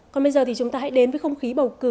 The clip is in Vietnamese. còn bây giờ thì chúng ta hãy đến với không khí bầu cử